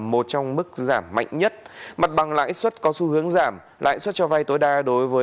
một trong mức giảm mạnh nhất mặt bằng lãi suất có xu hướng giảm lãi suất cho vay tối đa đối với